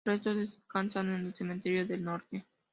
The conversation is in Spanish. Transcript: Sus restos descansan en el Cementerio del Norte.